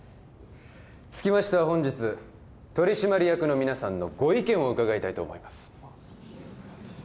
つきましては本日取締役の皆さんのご意見を伺いたいと思います